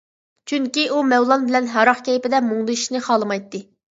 چۈنكى، ئۇ مەۋلان بىلەن ھاراق كەيپىدە مۇڭدىشىشنى خالىمايتتى.